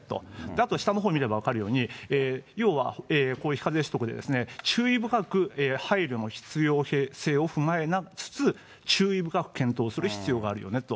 あと下のほう見れば分かるように、要はこういう非課税所得で注意深く配慮の必要性を踏まえつつ、注意深く検討する必要があるよねと。